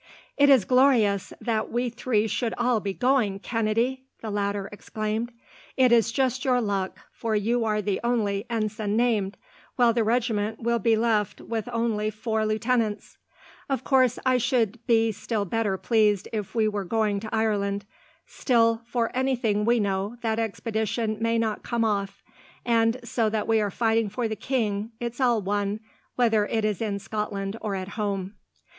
"It is glorious that we three should all be going, Kennedy!" the latter exclaimed. "It is just your luck, for you are the only ensign named, while the regiment will be left with only four lieutenants. Of course, I should be still better pleased if we were going to Ireland. Still, for anything we know that expedition may not come off, and, so that we are fighting for the king, it's all one whether it is in Scotland or at home."